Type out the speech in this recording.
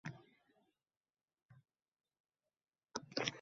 biroq uning qaror qabul qilish jarayoniga aralashmang.